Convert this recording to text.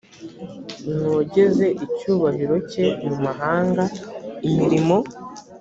mwogeze icyubahiro cye mu mahanga imirimo